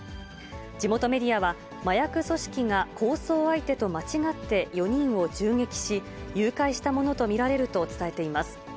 地元メディアは、麻薬組織が、抗争相手と間違って４人を銃撃し、誘拐したものと見られると伝えています。